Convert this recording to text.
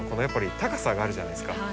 やっぱり高さがあるじゃないですか。